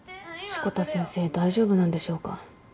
志子田先生大丈夫なんでしょうか？